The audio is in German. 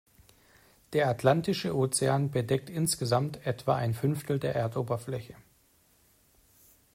Der Atlantische Ozean bedeckt insgesamt etwa ein Fünftel der Erdoberfläche.